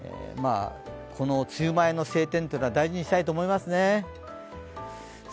この梅雨前の晴天は大事にしたいと思いますね。